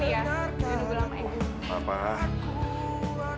jangan nunggu lama ya